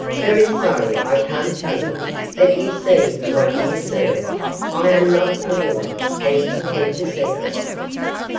'Very sorry I can't tell you; but you see, my dear sir, I am not a woman, and can keep a secret.